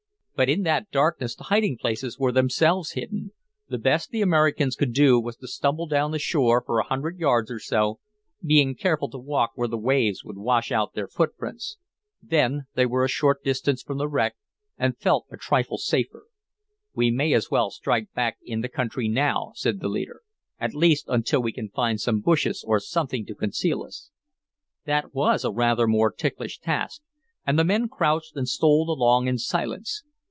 But in that darkness the hiding places were themselves hidden; the best the Americans could do was to stumble down the shore for a hundred yards or so, being careful to walk where the waves would wash out their footprints. Then they were a short distance from the wreck and felt a trifle safer. "We may as well strike back in the country now," said the leader, "at least until we can find some bushes or something to conceal us." That was a rather more ticklish task, and the men crouched and stole along in silence.